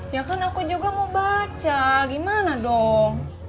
ya kan aku juga mau baca gimana dong